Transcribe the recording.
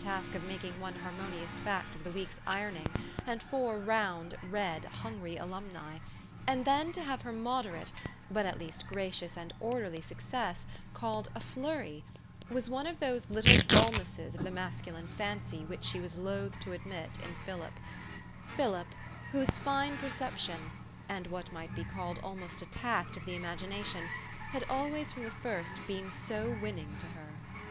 257 task of making one harmonious fact of the week's ironing and four round, red, hungry alumni, and then to have her moderate, but at least gracious and orderly success called a "flurry, "was one of those little dulnesses of the masculine fancy which she was loath to admit in Philip, Philip, whose fine per ception, and what might be called almost a tact of the imagination, had always from the first been so winning to her.